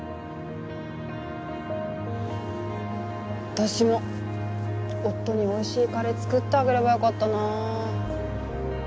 私も夫に美味しいカレー作ってあげればよかったなあ。